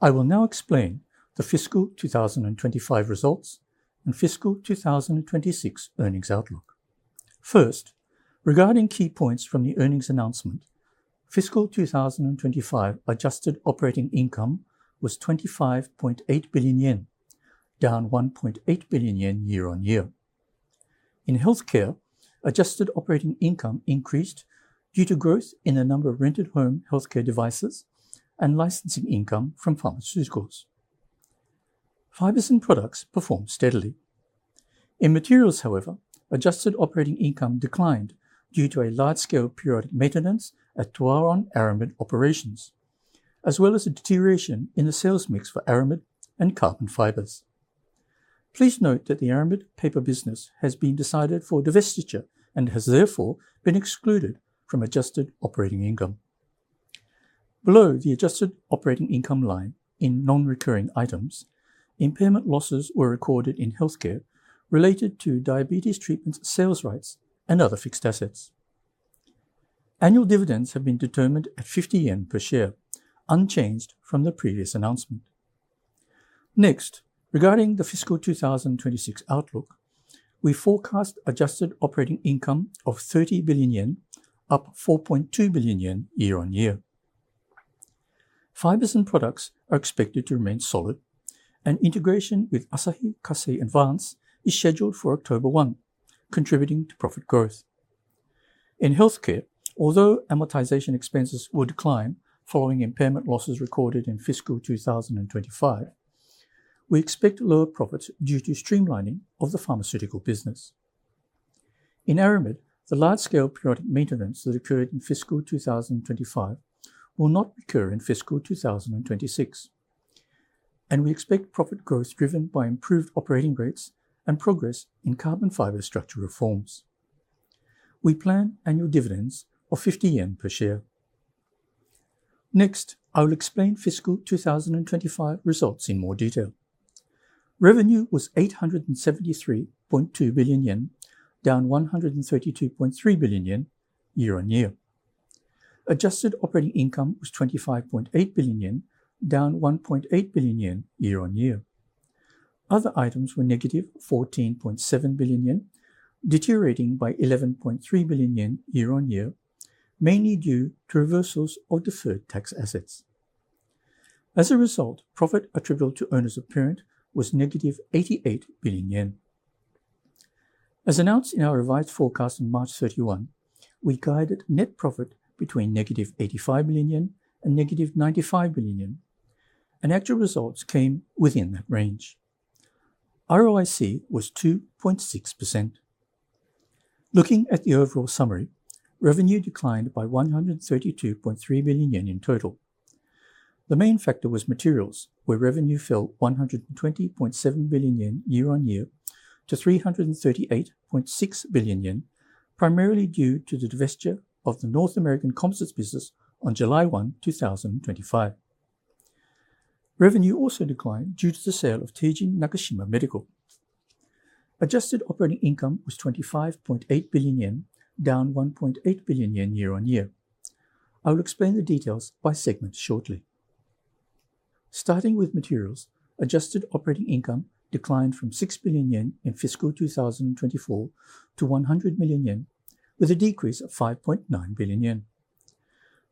I will now explain the fiscal 2025 results and fiscal 2026 earnings outlook. First, regarding key points from the earnings announcement, fiscal 2025 adjusted operating income was 25.8 billion yen, down 1.8 billion yen year-on-year. In Healthcare, adjusted operating income increased due to growth in the number of rented home healthcare devices and licensing income from pharmaceuticals. Fibers & Products performed steadily. In Materials, however, adjusted operating income declined due to a large-scale periodic maintenance at Teijin Aramid operations, as well as a deterioration in the sales mix for Aramid and carbon fibers. Please note that the aramid paper business has been decided for divestiture and has therefore been excluded from adjusted operating income. Below the adjusted operating income line in non-recurring items, impairment losses were recorded in Healthcare related to diabetes treatment sales rights and other fixed assets. Annual dividends have been determined at 50 yen per share, unchanged from the previous announcement. Regarding the fiscal 2026 outlook, we forecast adjusted operating income of 30 billion yen, up 4.2 billion yen year-on-year. Fibers & Products are expected to remain solid, and integration with Asahi Kasei Advance is scheduled for October 1, contributing to profit growth. In Healthcare, although amortization expenses will decline following impairment losses recorded in fiscal 2025, we expect lower profits due to streamlining of the pharmaceutical business. In Aramid, the large-scale periodic maintenance that occurred in fiscal 2025 will not recur in fiscal 2026, and we expect profit growth driven by improved operating rates and progress in carbon fiber structural reforms. We plan annual dividends of 50 yen per share. I will explain fiscal 2025 results in more detail. Revenue was 873.2 billion yen, down 132.3 billion yen year-on-year. Adjusted operating income was 25.8 billion yen, down 1.8 billion yen year-on-year. Other items were -14.7 billion yen, deteriorating by 11.3 billion yen year-on-year, mainly due to reversals of deferred tax assets. As a result, profit attributable to owners of parent was -88 billion yen. As announced in our revised forecast on March 31, we guided net profit between -85 billion yen and -95 billion yen, and actual results came within that range. ROIC was 2.6%. Looking at the overall summary, revenue declined by 132.3 billion yen in total. The main factor was Materials, where revenue fell 120.7 billion yen year-on-year to 338.6 billion yen, primarily due to the divestiture of the North American composites business on July 1, 2025. Revenue also declined due to the sale of Teijin Nakashima Medical. Adjusted operating income was 25.8 billion yen, down 1.8 billion yen year-on-year. I will explain the details by segment shortly. Starting with materials, adjusted operating income declined from 6 billion yen in fiscal 2024 to 100 million yen, with a decrease of 5.9 billion yen.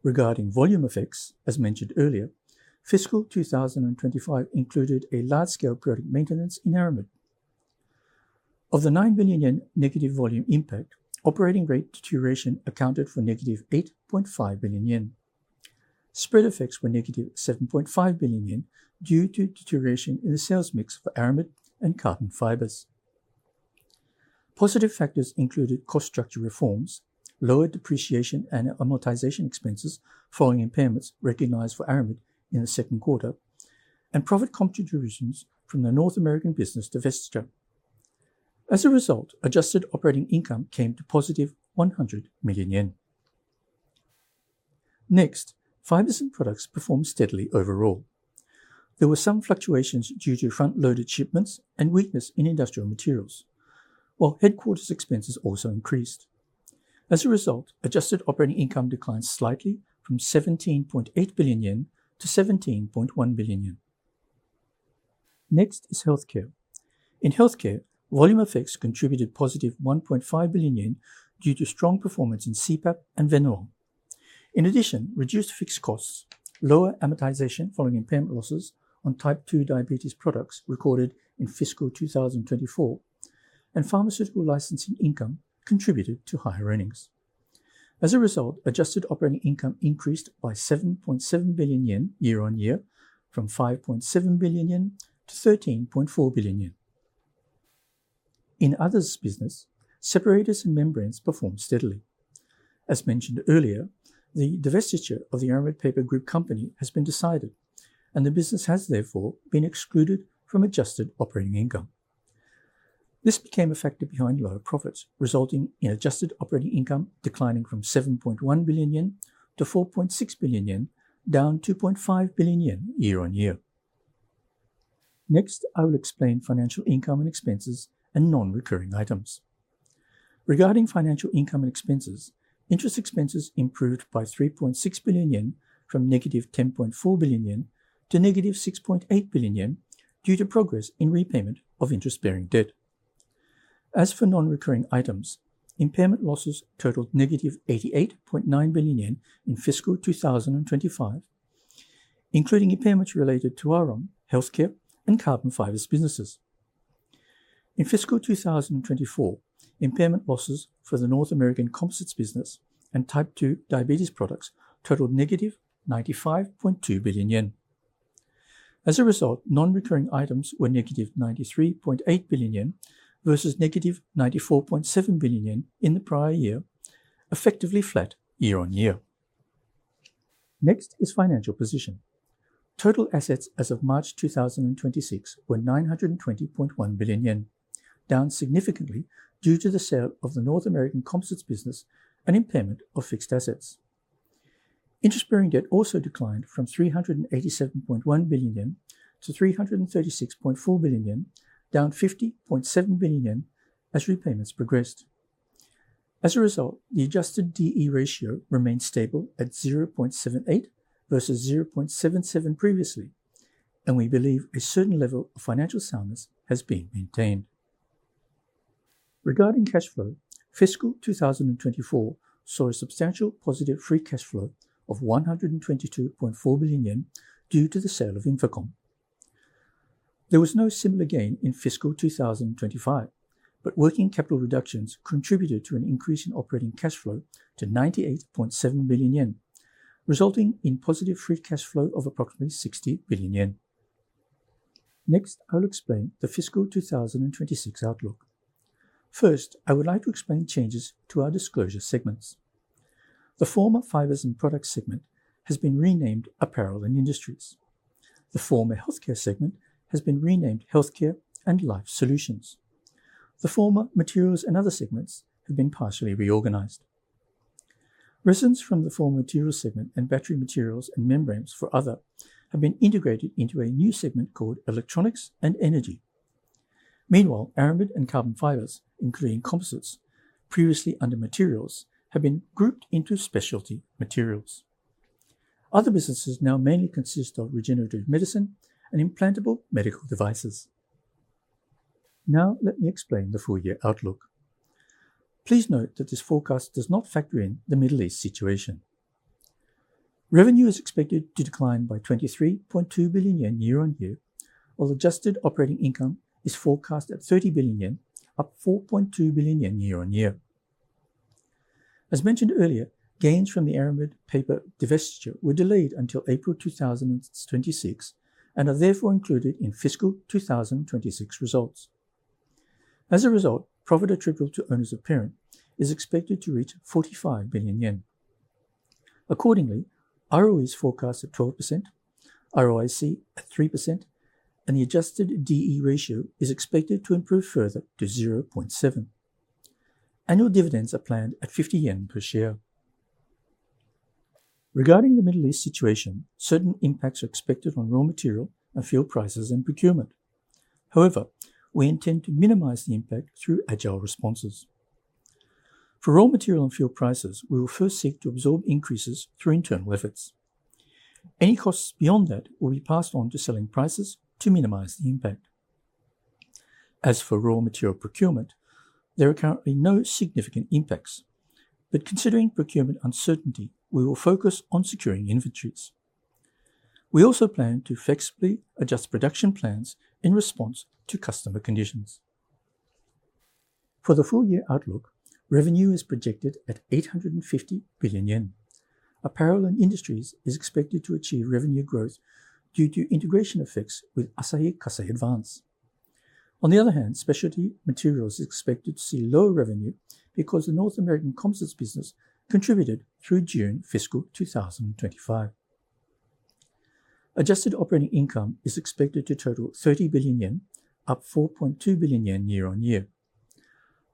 Regarding volume effects, as mentioned earlier, fiscal 2025 included a large-scale periodic maintenance in Aramid. Of the 9 billion yen negative volume impact, operating rate deterioration accounted for -8.5 billion yen. Spread effects were -7.5 billion yen due to deterioration in the sales mix for Aramid and carbon fibers. Positive factors included cost structure reforms, lower depreciation and amortization expenses following impairments recognized for Aramid in the second quarter, and profit contributions from the North American business divestiture. Adjusted operating income came to +100 million yen. Fibers & Products performed steadily overall. There were some fluctuations due to front-loaded shipments and weakness in industrial materials, while headquarters expenses also increased. As a result, adjusted operating income declined slightly from 17.8 billion-17.1 billion yen. Next is Healthcare. In Healthcare, volume effects contributed +1.5 billion yen due to strong performance in CPAP and Veno. In addition, reduced fixed costs, lower amortization following impairment losses on type 2 diabetes products recorded in fiscal 2024, and pharmaceutical licensing income contributed to higher earnings. As a result, adjusted operating income increased by 7.7 billion yen year-on-year from 5.7 billion-13.4 billion yen. In Others business, separators and membranes performed steadily. As mentioned earlier, the divestiture of the aramid paper group company has been decided, and the business has therefore been excluded from adjusted operating income. This became a factor behind lower profits, resulting in adjusted operating income declining from 7.1 billion-4.6 billion yen, down 2.5 billion yen year-on-year. Next, I will explain financial income and expenses and non-recurring items. Regarding financial income and expenses, interest expenses improved by 3.6 billion yen from -10.4 billion yen to -6.8 billion yen due to progress in repayment of interest-bearing debt. As for non-recurring items, impairment losses totaled -88.9 billion yen in fiscal 2025, including impairments related to Aramid, healthcare, and carbon fibers businesses. In fiscal 2024, impairment losses for the North American composites business and Type 2 diabetes products totaled -95.2 billion yen. As a result, non-recurring items were -93.8 billion yen versus -94.7 billion yen in the prior year, effectively flat year-on-year. Next is financial position. Total assets as of March 2026 were 920.1 billion yen, down significantly due to the sale of the North American composites business and impairment of fixed assets. Interest-bearing debt also declined from 387.1 billion-336.4 billion yen, down 50.7 billion yen as repayments progressed. As a result, the adjusted D/E ratio remained stable at 0.78 versus 0.77 previously, and we believe a certain level of financial soundness has been maintained. Regarding cash flow, fiscal 2024 saw a substantial positive free cash flow of 122.4 billion yen due to the sale of Infocom. There was no similar gain in fiscal 2025, working capital reductions contributed to an increase in operating cash flow to 98.7 billion yen, resulting in positive free cash flow of approximately 60 billion yen. Next, I'll explain the fiscal 2026 outlook. First, I would like to explain changes to our disclosure segments. The former Fibers & Products segment has been renamed Apparel & Industries. The former Healthcare segment has been renamed Healthcare & Life Solutions. The former Materials and Other segments have been partially reorganized. Resins from the former Materials segment and battery materials and membranes for Other have been integrated into a new segment called Electronics & Energy. Meanwhile, aramid and carbon fibers, including composites, previously under Materials, have been grouped into Specialty Materials. Other businesses now mainly consist of regenerative medicine and implantable medical devices. Let me explain the full-year outlook. Please note that this forecast does not factor in the Middle East situation. Revenue is expected to decline by 23.2 billion yen year-on-year, while adjusted operating income is forecast at 30 billion yen, up 4.2 billion yen year-on-year. As mentioned earlier, gains from the aramid paper divestiture were delayed until April 2026 and are therefore included in fiscal 2026 results. Profit attributable to owners of parent is expected to reach 45 billion yen. ROE is forecast at 12%, ROIC at 3%, and the adjusted D/E ratio is expected to improve further to 0.7. Annual dividends are planned at 50 yen per share. Regarding the Middle East situation, certain impacts are expected on raw material and fuel prices and procurement. We intend to minimize the impact through agile responses. We will first seek to absorb increases through internal efforts. Any costs beyond that will be passed on to selling prices to minimize the impact. There are currently no significant impacts, but considering procurement uncertainty, we will focus on securing inventories. We also plan to flexibly adjust production plans in response to customer conditions. For the full-year outlook, revenue is projected at 850 billion yen. Apparel & Industries is expected to achieve revenue growth due to integration effects with Asahi Kasei Advance. On the other hand, Specialty Materials is expected to see lower revenue because the North American composites business contributed through June fiscal 2025. Adjusted operating income is expected to total 30 billion yen, up 4.2 billion yen year-on-year.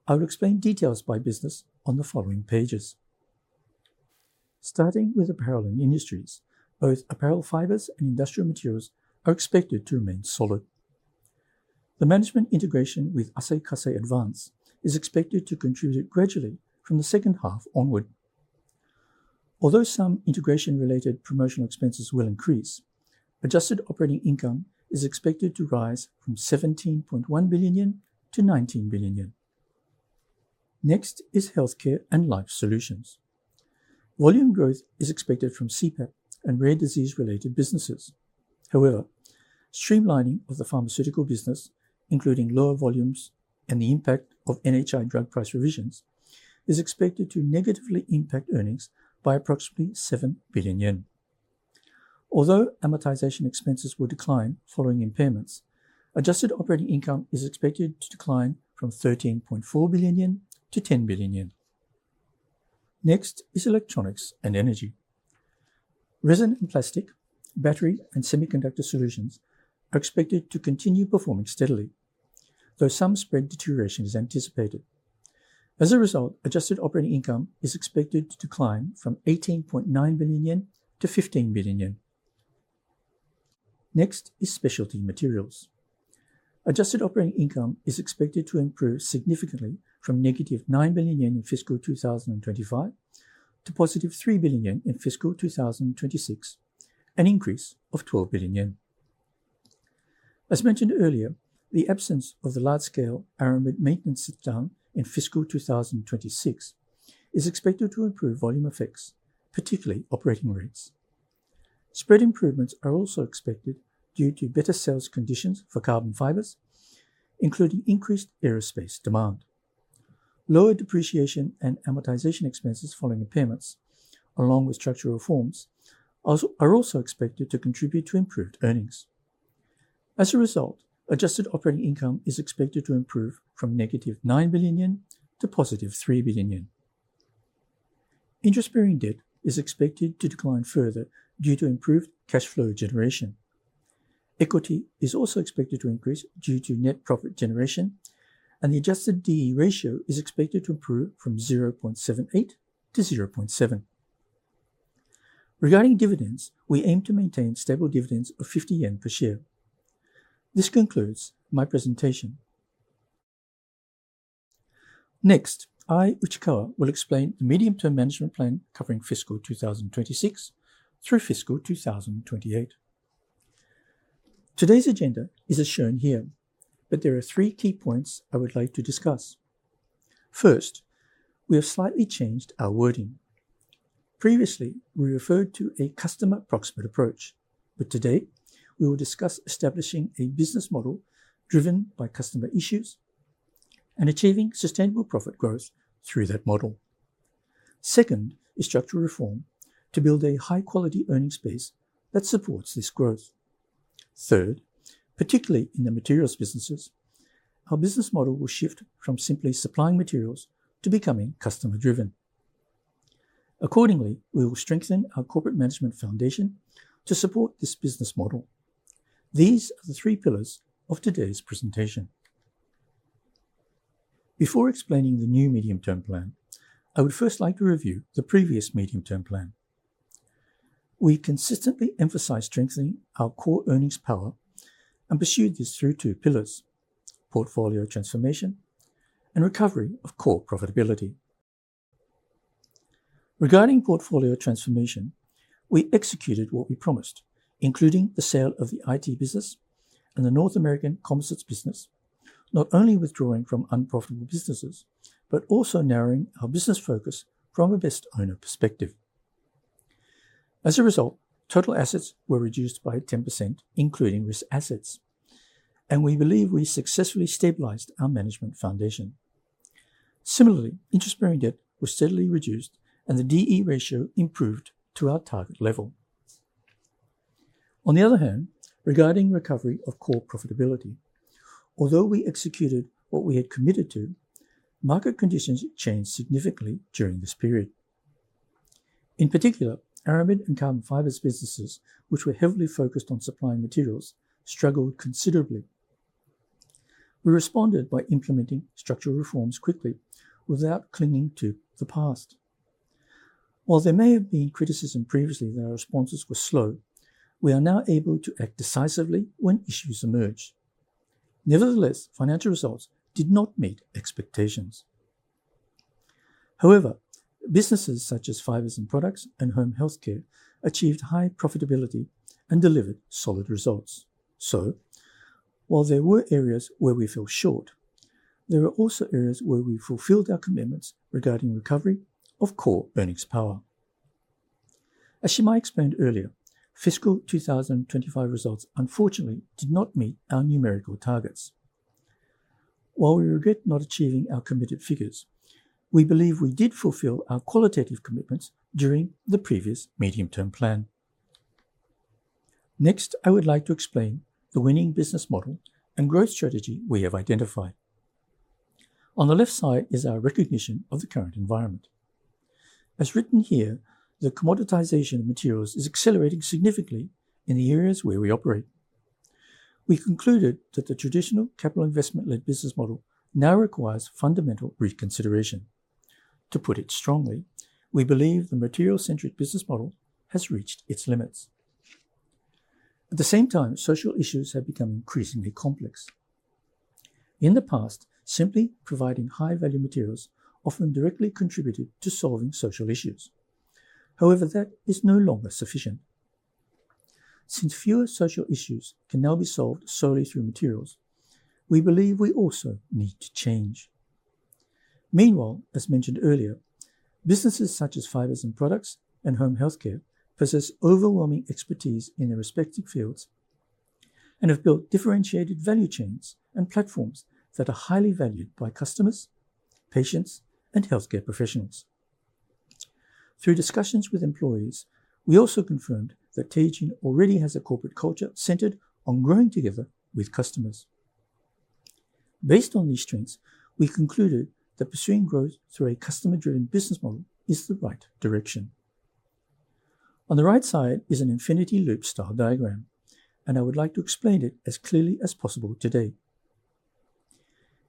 I will explain details by business on the following pages. Starting with Apparel & Industries, both apparel fibers and industrial materials are expected to remain solid. The management integration with Asahi Kasei Advance is expected to contribute gradually from the second half onward. Although some integration-related promotional expenses will increase, adjusted operating income is expected to rise from 17.1 billion-19 billion yen. Next is Healthcare & Life Solutions. Volume growth is expected from CPAP and rare disease-related businesses. However, streamlining of the pharmaceutical business, including lower volumes and the impact of NHI drug price revisions, is expected to negatively impact earnings by approximately 7 billion yen. Although amortization expenses will decline following impairments, adjusted operating income is expected to decline from 13.4 billion-10 billion yen. Next is Electronics & Energy. Resin and plastic, battery, and semiconductor solutions are expected to continue performing steadily. Though some spread deterioration is anticipated. As a result, adjusted operating income is expected to decline from 18.9 billion-15 billion yen. Next is Specialty Materials. Adjusted operating income is expected to improve significantly from -9 billion yen in fiscal 2025 to +3 billion yen in fiscal 2026, an increase of 12 billion yen. As mentioned earlier, the absence of the large-scale Aramid maintenance shutdown in fiscal 2026 is expected to improve volume effects, particularly operating rates. Spread improvements are also expected due to better sales conditions for carbon fibers, including increased aerospace demand. Lower depreciation and amortization expenses following payments, along with structural reforms, are also expected to contribute to improved earnings. As a result, adjusted operating income is expected to improve from -9 billion yen to +3 billion yen. Interest-bearing debt is expected to decline further due to improved cash flow generation. Equity is also expected to increase due to net profit generation, and the adjusted D/E ratio is expected to improve from 0.78-0.7. Regarding dividends, we aim to maintain stable dividends of 50 yen per share. This concludes my presentation. Next, I, Uchikawa, will explain the medium-term management plan covering fiscal 2026 through fiscal 2028. Today's agenda is as shown here, but there are three key points I would like to discuss. Previously, we referred to a customer-proximate approach, but today we will discuss establishing a business model driven by customer issues and achieving sustainable profit growth through that model. First, we have slightly changed our wording. Second is structural reform to build a high-quality earnings base that supports this growth. Third, particularly in the materials businesses, our business model will shift from simply supplying materials to becoming customer-driven. Accordingly, we will strengthen our corporate management foundation to support this business model. These are the three pillars of today's presentation. Before explaining the new medium-term plan, I would first like to review the previous medium-term plan. We consistently emphasized strengthening our core earnings power and pursued this through two pillars, portfolio transformation and recovery of core profitability. Regarding portfolio transformation, we executed what we promised, including the sale of the IT business and the North American composites business, not only withdrawing from unprofitable businesses, but also narrowing our business focus from a best owner perspective. As a result, total assets were reduced by 10%, including risk assets, and we believe we successfully stabilized our management foundation. Similarly, interest-bearing debt was steadily reduced and the D/E ratio improved to our target level. On the other hand, regarding recovery of core profitability, although we executed what we had committed to, market conditions changed significantly during this period. In particular, Aramid and carbon fibers businesses, which were heavily focused on supplying materials, struggled considerably. We responded by implementing structural reforms quickly without clinging to the past. While there may have been criticism previously that our responses were slow, we are now able to act decisively when issues emerge. Nevertheless, financial results did not meet expectations. However, businesses such as Fibers & Products and home healthcare achieved high profitability and delivered solid results. While there were areas where we fell short, there were also areas where we fulfilled our commitments regarding recovery of core earnings power. As Shimai explained earlier, fiscal 2025 results unfortunately did not meet our numerical targets. While we regret not achieving our committed figures, we believe we did fulfill our qualitative commitments during the previous medium-term plan. Next, I would like to explain the winning business model and growth strategy we have identified. On the left side is our recognition of the current environment. As written here, the commoditization of materials is accelerating significantly in the areas where we operate. We concluded that the traditional capital investment-led business model now requires fundamental reconsideration. To put it strongly, we believe the material-centric business model has reached its limits. At the same time, social issues have become increasingly complex. In the past, simply providing high-value materials often directly contributed to solving social issues. However, that is no longer sufficient. Since fewer social issues can now be solved solely through materials, we believe we also need to change. Meanwhile, as mentioned earlier, businesses such as Fibers & Products and home healthcare possess overwhelming expertise in their respective fields and have built differentiated value chains and platforms that are highly valued by customers, patients, and healthcare professionals. Through discussions with employees, we also confirmed that Teijin already has a corporate culture centered on growing together with customers. Based on these strengths, we concluded that pursuing growth through a customer-driven business model is the right direction. On the right side is an infinity loop style diagram, and I would like to explain it as clearly as possible today.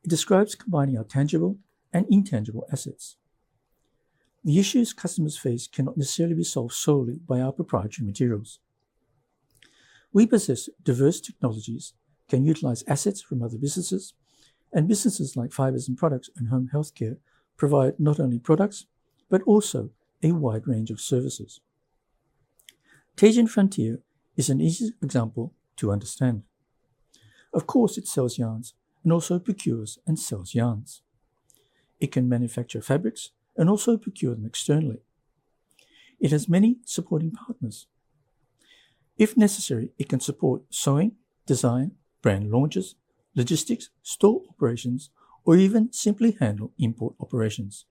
It describes combining our tangible and intangible assets. The issues customers face cannot necessarily be solved solely by our proprietary materials. We possess diverse technologies, can utilize assets from other businesses, and businesses like Fibers & Products and Home Healthcare provide not only products, but also a wide range of services. Teijin Frontier is an easy example to understand. Of course, it sells yarns and also procures and sells yarns. It can manufacture fabrics and also procure them externally. It has many supporting partners. If necessary, it can support sewing, design, brand launches, logistics, store operations, or even simply handle import operations.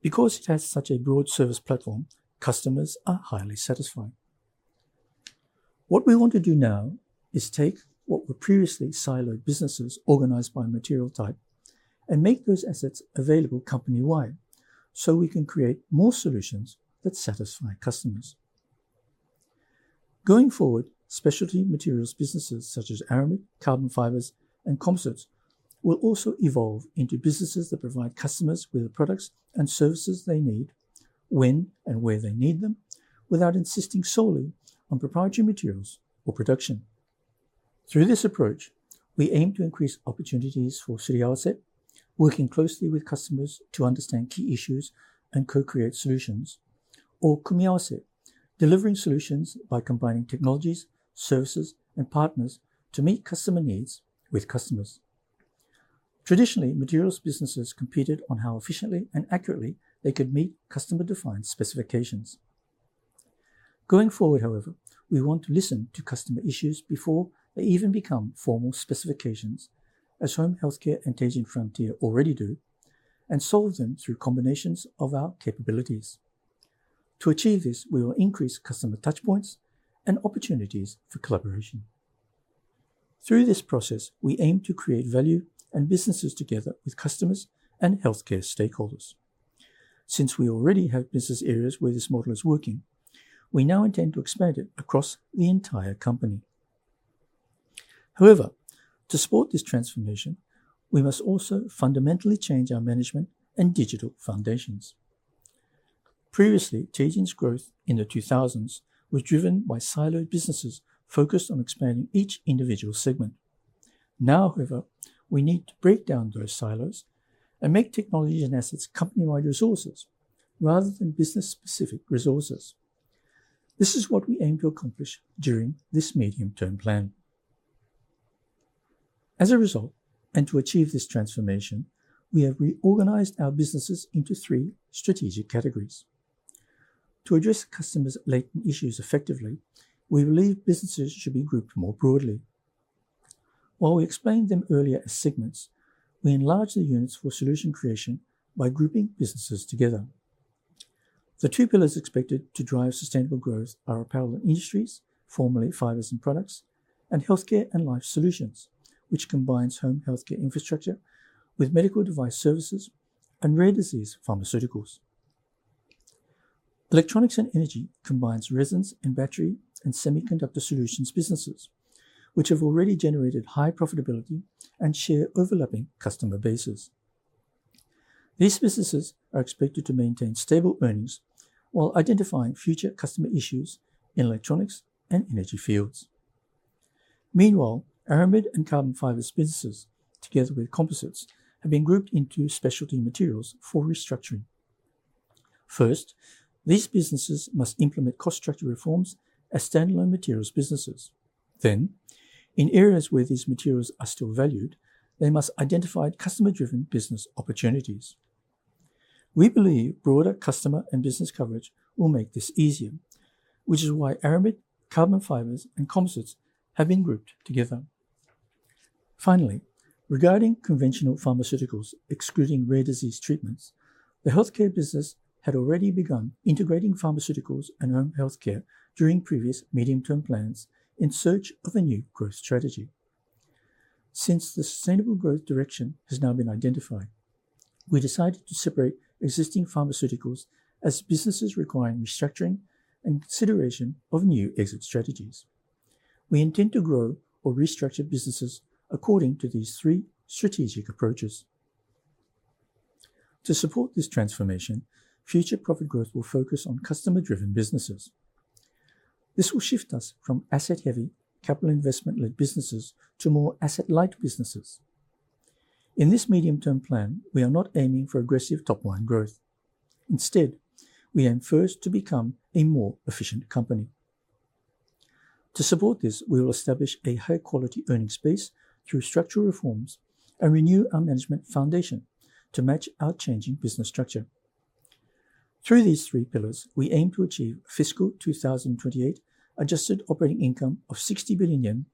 Because it has such a broad service platform, customers are highly satisfied. What we want to do now is take what were previously siloed businesses organized by material type and make those assets available company-wide so we can create more solutions that satisfy customers. Going forward, Specialty Materials businesses such as Aramid, Carbon Fibers, and Composites will also evolve into businesses that provide customers with the products and services they need, when and where they need them, without insisting solely on proprietary materials or production. Through this approach, we aim to increase opportunities for Suriawase, working closely with customers to understand key issues and co-create solutions, or Kumiwase, delivering solutions by combining technologies, services, and partners to meet customer needs with customers. Traditionally, materials businesses competed on how efficiently and accurately they could meet customer-defined specifications. Going forward, however, we want to listen to customer issues before they even become formal specifications, as Home Healthcare and Teijin Frontier already do, and solve them through combinations of our capabilities. To achieve this, we will increase customer touchpoints and opportunities for collaboration. Through this process, we aim to create value and businesses together with customers and healthcare stakeholders. Since we already have business areas where this model is working, we now intend to expand it across the entire company. However, to support this transformation, we must also fundamentally change our management and digital foundations. Previously, Teijin’s growth in the 2000s was driven by siloed businesses focused on expanding each individual segment. Now, however, we need to break down those silos and make technology and assets company-wide resources rather than business-specific resources. This is what we aim to accomplish during this medium-term plan. As a result, and to achieve this transformation, we have reorganized our businesses into three strategic categories. To address customers' latent issues effectively, we believe businesses should be grouped more broadly. While we explained them earlier as segments, we enlarge the units for solution creation by grouping businesses together. The two pillars expected to drive sustainable growth are Apparel & Industries, formerly Fibers & Products, and Healthcare & Life Solutions, which combines Home Healthcare Infrastructure with Medical Device Services and Rare Disease Pharmaceuticals. Electronics & Energy combines Resins & Battery and Semiconductor Solutions businesses, which have already generated high profitability and share overlapping customer bases. These businesses are expected to maintain stable earnings while identifying future customer issues in electronics and energy fields. Meanwhile, Aramid and Carbon Fibers businesses, together with Composites, have been grouped into Specialty Materials for restructuring. These businesses must implement cost structure reforms as standalone materials businesses. In areas where these materials are still valued, they must identify customer-driven business opportunities. We believe broader customer and business coverage will make this easier, which is why Aramid, Carbon Fibers, and Composites have been grouped together. Regarding conventional pharmaceuticals, excluding rare disease treatments, the healthcare business had already begun integrating pharmaceuticals and home healthcare during previous medium-term plans in search of a new growth strategy. The sustainable growth direction has now been identified, we decided to separate existing pharmaceuticals as businesses requiring restructuring and consideration of new exit strategies. We intend to grow or restructure businesses according to these three strategic approaches. To support this transformation, future profit growth will focus on customer-driven businesses. This will shift us from asset-heavy, capital investment-led businesses to more asset-light businesses. In this medium-term plan, we are not aiming for aggressive top-line growth. Instead, we aim first to become a more efficient company. To support this, we will establish a high-quality earning space through structural reforms and renew our management foundation to match our changing business structure. Through these three pillars, we aim to achieve fiscal 2028 adjusted operating income of 60 billion yen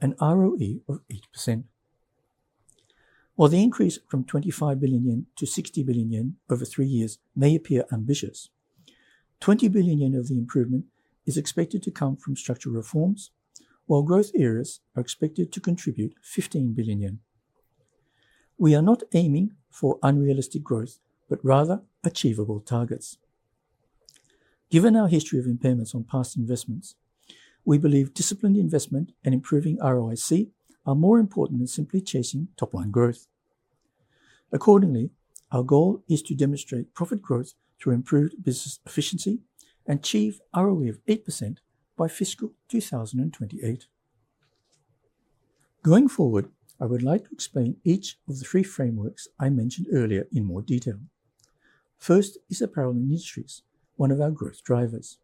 and ROE of 8%. While the increase from 25 billion-60 billion yen over three years may appear ambitious, 20 billion yen of the improvement is expected to come from structural reforms, while growth areas are expected to contribute 15 billion yen. We are not aiming for unrealistic growth, but rather achievable targets. Given our history of impairments on past investments, we believe disciplined investment and improving ROIC are more important than simply chasing top-line growth. Accordingly, our goal is to demonstrate profit growth through improved business efficiency and achieve ROE of 8% by fiscal 2028. Going forward, I would like to explain each of the three frameworks I mentioned earlier in more detail. First is Apparel & Industries, one of our growth drivers.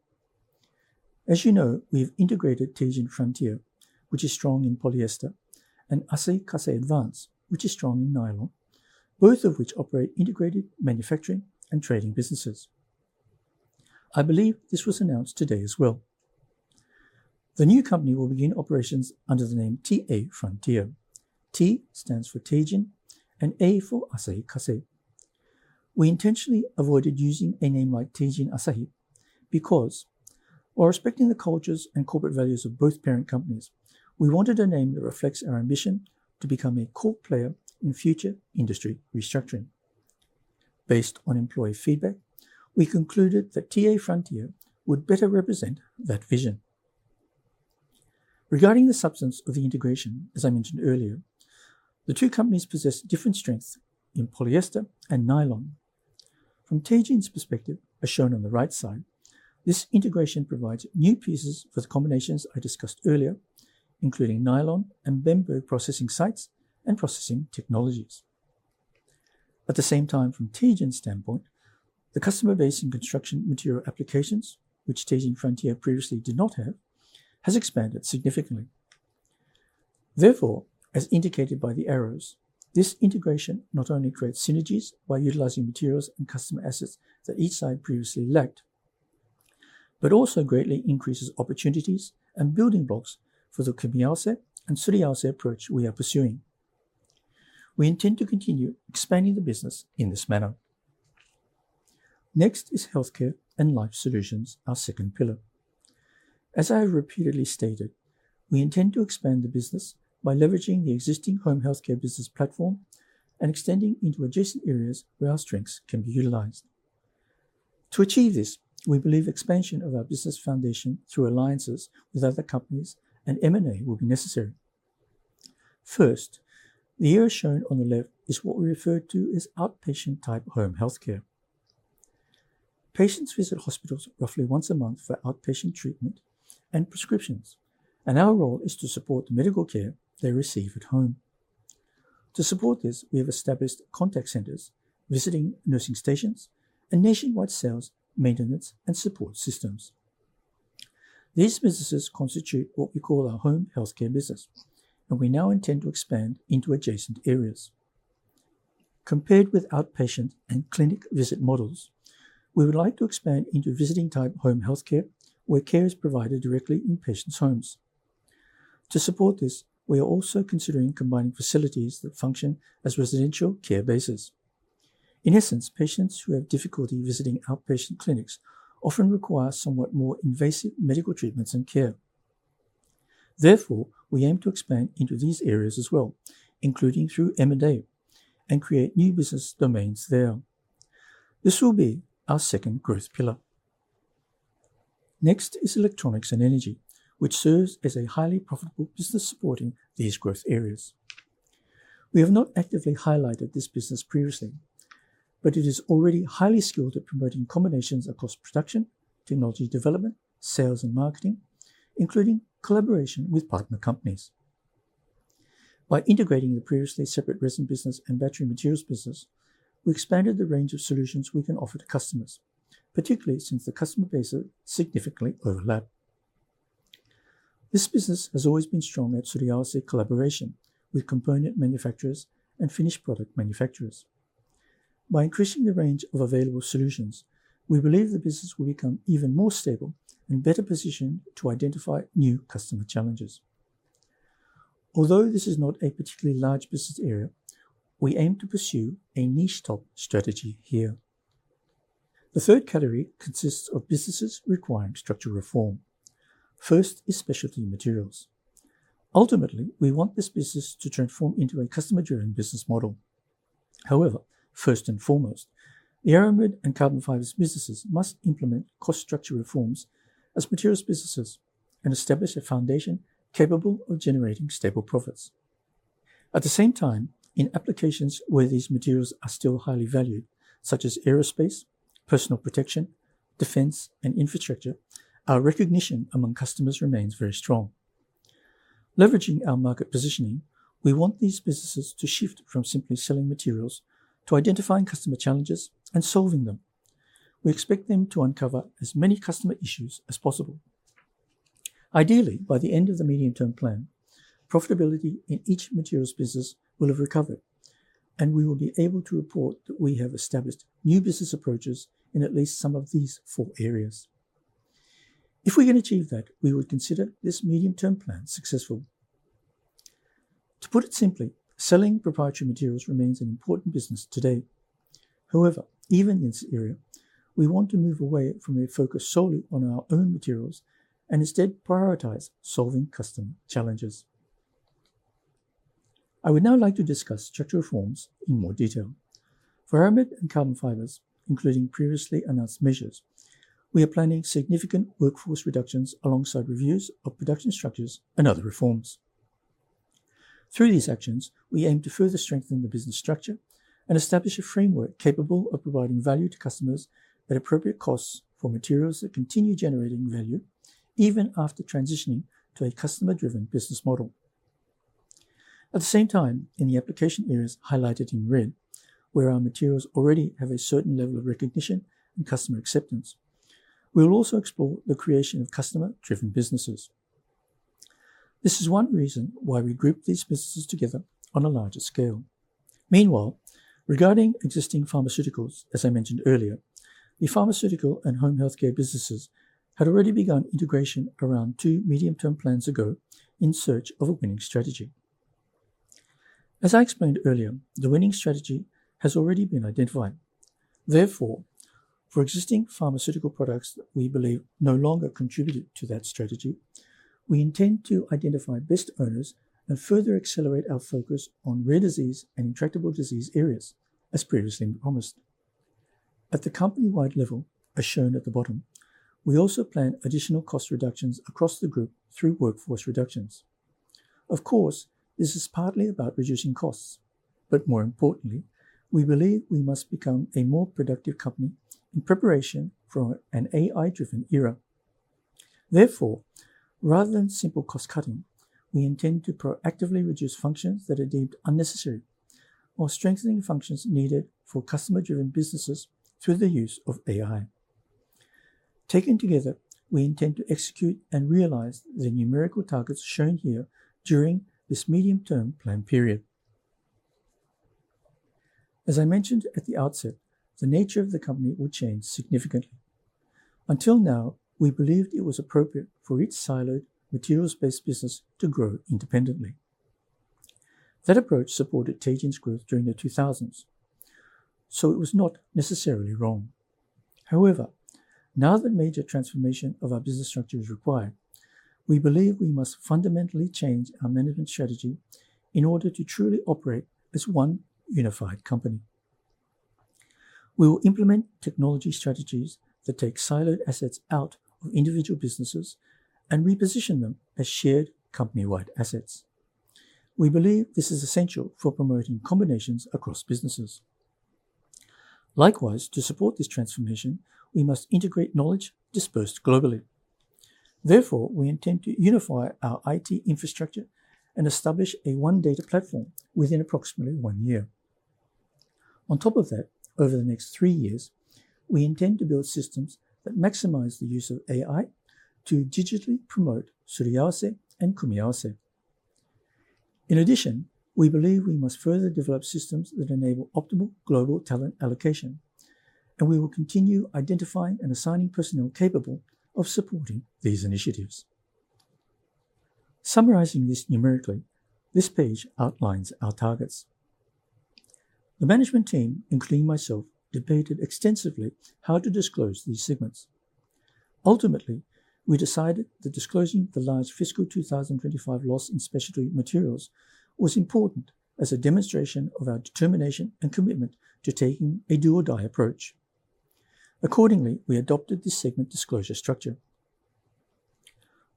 As you know, we have integrated Teijin Frontier, which is strong in polyester, and Asahi Kasei Advance, which is strong in nylon, both of which operate integrated manufacturing and trading businesses. I believe this was announced today as well. The new company will begin operations under the name TA Frontier. T stands for Teijin and A for Asahi Kasei. We intentionally avoided using a name like Teijin Asahi because, while respecting the cultures and corporate values of both parent companies, we wanted a name that reflects our ambition to become a core player in future industry restructuring. Based on employee feedback, we concluded that TA Frontier would better represent that vision. Regarding the substance of the integration, as I mentioned earlier, the two companies possess different strengths in polyester and nylon. From Teijin's perspective, as shown on the right side, this integration provides new pieces for the combinations I discussed earlier, including nylon and Bemberg processing sites and processing technologies. At the same time, from Teijin's standpoint, the customer base in construction material applications, which Teijin Frontier previously did not have, has expanded significantly. As indicated by the arrows, this integration not only creates synergies by utilizing materials and customer assets that each side previously lacked, but also greatly increases opportunities and building blocks for the Kumiawase and Suriawase approach we are pursuing. We intend to continue expanding the business in this manner. Healthcare & Life Solutions, our second pillar. As I have repeatedly stated, we intend to expand the business by leveraging the existing home healthcare business platform and extending into adjacent areas where our strengths can be utilized. To achieve this, we believe expansion of our business foundation through alliances with other companies and M&A will be necessary. First, the arrow shown on the left is what we refer to as outpatient-type home healthcare. Patients visit hospitals roughly once a month for outpatient treatment and prescriptions, and our role is to support the medical care they receive at home. To support this, we have established contact centers, visiting nursing stations, and nationwide sales, maintenance, and support systems. These businesses constitute what we call our home healthcare business, and we now intend to expand into adjacent areas. Compared with outpatient and clinic visit models, we would like to expand into visiting-type home healthcare, where care is provided directly in patients' homes. To support this, we are also considering combining facilities that function as residential care bases. In essence, patients who have difficulty visiting outpatient clinics often require somewhat more invasive medical treatments and care. Therefore, we aim to expand into these areas as well, including through M&A, and create new business domains there. This will be our second growth pillar. Next is Electronics & Energy, which serves as a highly profitable business supporting these growth areas. We have not actively highlighted this business previously, but it is already highly skilled at promoting combinations across production, technology development, sales, and marketing, including collaboration with partner companies. By integrating the previously separate resin business and battery materials business, we expanded the range of solutions we can offer to customers, particularly since the customer bases significantly overlap. This business has always been strong at Suriawase collaboration with component manufacturers and finished product manufacturers. By increasing the range of available solutions, we believe the business will become even more stable and better positioned to identify new customer challenges. Although this is not a particularly large business area, we aim to pursue a niche top strategy here. The third category consists of businesses requiring structural reform. First is Specialty Materials. Ultimately, we want this business to transform into a customer-driven business model. However, first and foremost, the aramid and carbon fibers businesses must implement cost structure reforms as materials businesses and establish a foundation capable of generating stable profits. At the same time, in applications where these materials are still highly valued, such as aerospace, personal protection, defense, and infrastructure, our recognition among customers remains very strong. Leveraging our market positioning, we want these businesses to shift from simply selling materials to identifying customer challenges and solving them. We expect them to uncover as many customer issues as possible. Ideally, by the end of the medium-term plan, profitability in each materials business will have recovered, and we will be able to report that we have established new business approaches in at least some of these four areas. If we can achieve that, we would consider this medium-term plan successful. To put it simply, selling proprietary materials remains an important business today. However, even in this area, we want to move away from a focus solely on our own materials and instead prioritize solving customer challenges. I would now like to discuss structural reforms in more detail. For aramid and carbon fibers, including previously announced measures, we are planning significant workforce reductions alongside reviews of production structures and other reforms. Through these actions, we aim to further strengthen the business structure and establish a framework capable of providing value to customers at appropriate costs for materials that continue generating value even after transitioning to a customer-driven business model. At the same time, in the application areas highlighted in red, where our materials already have a certain level of recognition and customer acceptance, we will also explore the creation of customer-driven businesses. This is one reason why we group these businesses together on a larger scale. Meanwhile, regarding existing pharmaceuticals, as I mentioned earlier, the pharmaceutical and home healthcare businesses had already begun integration around two medium-term plans ago in search of a winning strategy. As I explained earlier, the winning strategy has already been identified. Therefore, for existing pharmaceutical products that we believe no longer contributed to that strategy, we intend to identify best owners and further accelerate our focus on rare disease and intractable disease areas, as previously promised. At the company-wide level, as shown at the bottom, we also plan additional cost reductions across the group through workforce reductions. Of course, this is partly about reducing costs, but more importantly, we believe we must become a more productive company in preparation for an AI-driven era. Therefore, rather than simple cost-cutting, we intend to proactively reduce functions that are deemed unnecessary while strengthening functions needed for customer-driven businesses through the use of AI. Taken together, we intend to execute and realize the numerical targets shown here during this medium-term plan period. As I mentioned at the outset, the nature of the company will change significantly. Until now, we believed it was appropriate for each siloed materials-based business to grow independently. That approach supported Teijin's growth during the 2000s, so it was not necessarily wrong. Now that major transformation of our business structure is required, we believe we must fundamentally change our management strategy in order to truly operate as one unified company. We will implement technology strategies that take siloed assets out of individual businesses and reposition them as shared company-wide assets. We believe this is essential for promoting combinations across businesses. To support this transformation, we must integrate knowledge dispersed globally. We intend to unify our IT infrastructure and establish a one data platform within approximately one year. On top of that, over the next three years, we intend to build systems that maximize the use of AI to digitally promote Suriawase and Kumiwase. We believe we must further develop systems that enable optimal global talent allocation, and we will continue identifying and assigning personnel capable of supporting these initiatives. Summarizing this numerically, this page outlines our targets. The management team, including myself, debated extensively how to disclose these segments. Ultimately, we decided that disclosing the large fiscal 2025 loss in Specialty Materials was important as a demonstration of our determination and commitment to taking a do-or-die approach. We adopted this segment disclosure structure.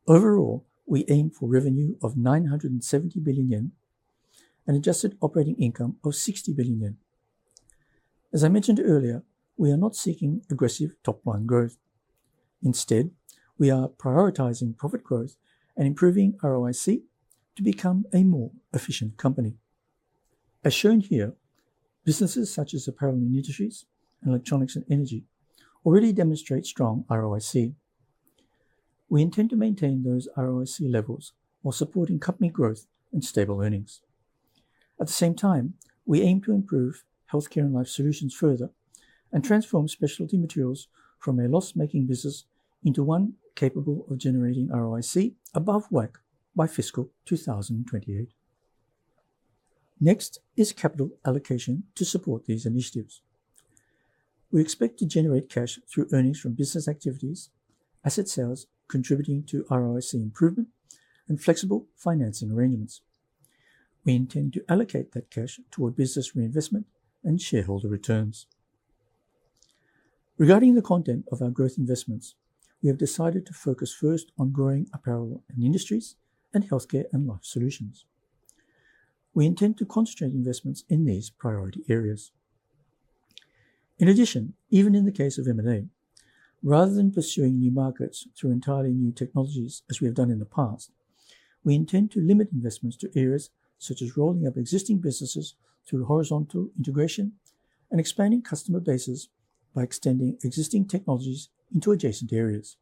Overall, we aim for revenue of 970 billion yen and adjusted operating income of 60 billion yen. As I mentioned earlier, we are not seeking aggressive top-line growth. We are prioritizing profit growth and improving ROIC to become a more efficient company. As shown here, businesses such as Apparel & Industries, and Electronics & Energy already demonstrate strong ROIC. We intend to maintain those ROIC levels while supporting company growth and stable earnings. At the same time, we aim to improve Healthcare & Life Solutions further and transform Specialty Materials from a loss-making business into one capable of generating ROIC above WACC by fiscal 2028. Next is capital allocation to support these initiatives. We expect to generate cash through earnings from business activities, asset sales contributing to ROIC improvement, and flexible financing arrangements. We intend to allocate that cash toward business reinvestment and shareholder returns. Regarding the content of our growth investments, we have decided to focus first on growing Apparel & Industries and Healthcare & Life Solutions. We intend to concentrate investments in these priority areas. In addition, even in the case of M&A, rather than pursuing new markets through entirely new technologies, as we have done in the past, we intend to limit investments to areas such as rolling up existing businesses through horizontal integration and expanding customer bases by extending existing technologies into adjacent areas.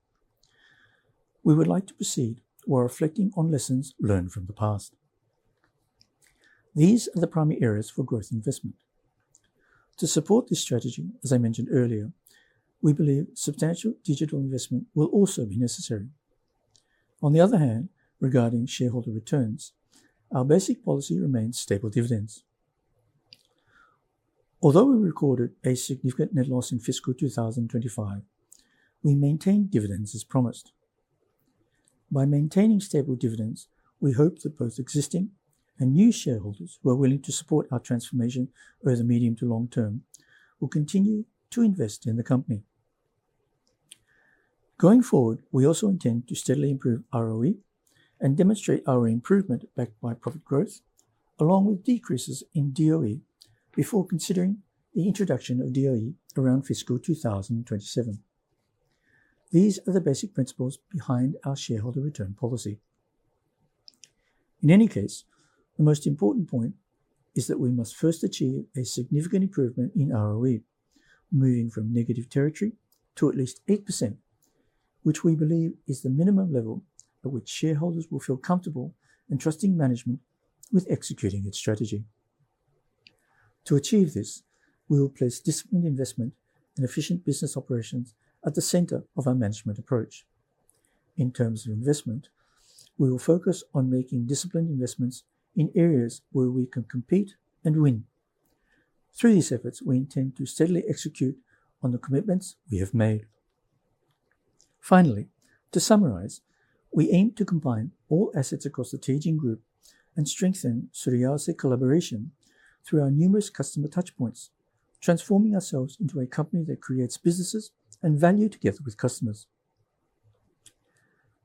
We would like to proceed while reflecting on lessons learned from the past. These are the primary areas for growth investment. To support this strategy, as I mentioned earlier, we believe substantial digital investment will also be necessary. Regarding shareholder returns, our basic policy remains stable dividends. We recorded a significant net loss in fiscal 2025, we maintained dividends as promised. By maintaining stable dividends, we hope that both existing and new shareholders who are willing to support our transformation over the medium to long-term will continue to invest in the company. Going forward, we also intend to steadily improve ROE and demonstrate our improvement backed by profit growth along with decreases in DOE before considering the introduction of DOE around fiscal 2027. These are the basic principles behind our shareholder return policy. The most important point is that we must first achieve a significant improvement in ROE, moving from negative territory to at least 8%, which we believe is the minimum level at which shareholders will feel comfortable in trusting management with executing its strategy. To achieve this, we will place disciplined investment and efficient business operations at the center of our management approach. In terms of investment, we will focus on making disciplined investments in areas where we can compete and win. Through these efforts, we intend to steadily execute on the commitments we have made. Finally, to summarize, we aim to combine all assets across the Teijin Group and strengthen Suriawase collaboration through our numerous customer touchpoints, transforming ourselves into a company that creates businesses and value together with customers.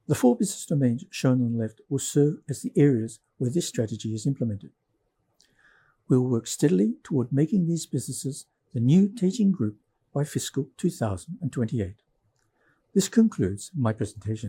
The four business domains shown on the left will serve as the areas where this strategy is implemented. We will work steadily toward making these businesses the new Teijin Group by fiscal 2028. This concludes my presentation